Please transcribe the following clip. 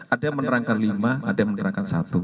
ada yang menerangkan lima ada yang menerangkan satu